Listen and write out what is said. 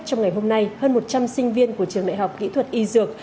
trong ngày hôm nay hơn một trăm linh sinh viên của trường đại học kỹ thuật y dược